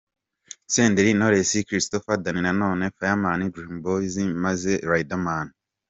Senderi, Knowless, Christopher, Dany Nanone, Fireman, Dream boys maze Riderman.